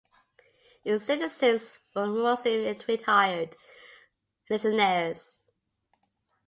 Its citizens were mostly retired legionnaires.